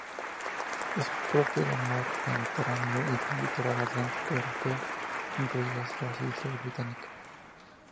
Es propio del mar Mediterráneo y del litoral atlántico europeo, incluidas las islas Británicas.